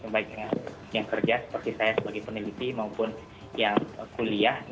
baik yang kerja seperti saya sebagai peneliti maupun yang kuliah